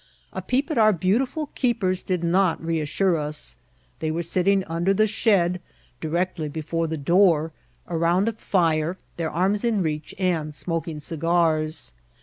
A peep at our beautiful keepers did not reassure us. They were sit* ting under the shed, directly before the door, around a fire, their arms in reach, and smoking cigars.